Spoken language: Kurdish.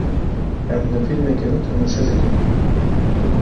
Em li fîlmekî nû temaşe dikin.